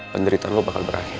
penderitaan lo bakal berakhir